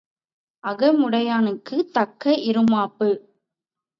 அகமுடையானுக்குத் தக்க இறுமாப்பு.